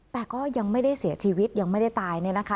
แต่ก็ยังไม่ได้เสียชีวิตยังไม่ได้ตายเนี่ยนะคะ